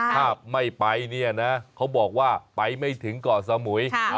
ถ้าไม่ไปเนี่ยนะเขาบอกว่าไปไม่ถึงเกาะสมุย